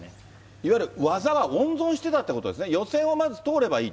いわゆる技は温存してたということですね。